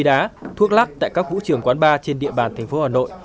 tình trạng ma túy đá thuốc lắc tại các vũ trường quán ba trên địa bàn thành phố hà nội